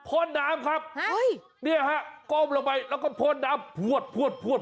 พ่นดำครับเนี่ยค่ะก้มลงไปแล้วก็พ่นดำพวด